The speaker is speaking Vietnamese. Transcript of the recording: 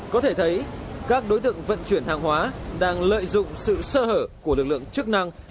có thể thấy các đối tượng vận chuyển hàng hóa đang lợi dụng sự sơ hở của lực lượng chức năng